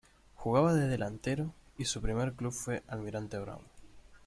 Jugaba de delantero y su primer club fue Almirante Brown.